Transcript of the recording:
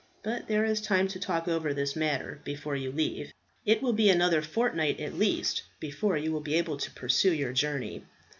But there is time to talk over this matter before you leave. It will be another fortnight at least before you will be able to pursue your journey."